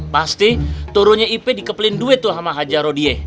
pasti turunnya ipe dikepelin duit tuh sama haja rodie